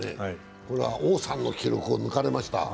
これは王さんの記録を抜かれました。